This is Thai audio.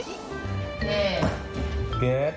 เฮ้เฮ้มันเป็นไง